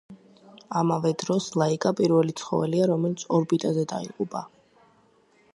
ამავე დროს, ლაიკა პირველი ცხოველია, რომელიც ორბიტაზე დაიღუპა.